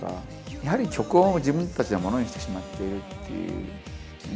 やはり曲を自分たちのものにしてしまっているっていう。